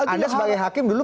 anda sebagai hakim dulu